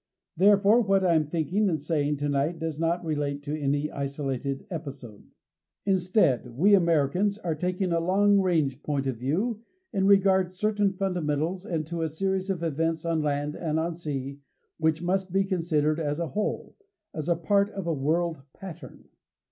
Therefore, what I am thinking and saying tonight does not relate to any isolated episode. Instead, we Americans are taking a long range point of view in regard certain fundamentals and to a series of events on land and on sea which must be considered as a whole as a part of a world pattern.